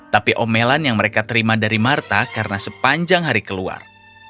tapi omelan yang mereka terima dari marta karena sepanjang hari keluar